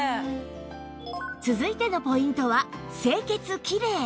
続いてのポイントは清潔きれい